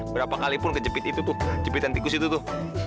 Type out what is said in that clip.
berapa kalipun kejepit itu tuh jepitan tikus itu tuh